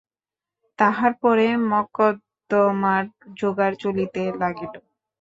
তাহার পরে মকদ্দমার জোগাড় চলিতে লাগিল।